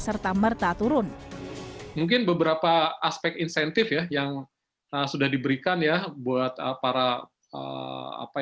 serta merta turun mungkin beberapa aspek insentif ya yang sudah diberikan ya buat para apa